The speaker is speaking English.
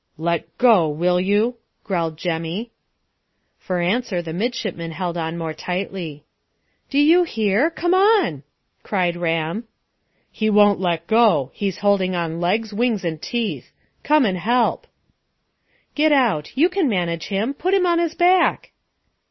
"Let go, will you?" growled Jemmy. For answer the midshipman held on more tightly. "Do you hear? Come on!" cried Ram. "He won't let go. He's holding on legs, wings and teeth. Come and help." "Get out: you can manage him. Put him on his back."